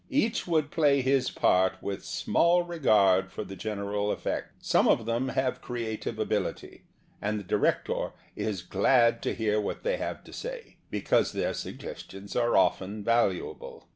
Each would play his part with small regard for the general effect. Some of them have creative ability, and the director is glad to hear what they have to say, because their suggestions are often valuable.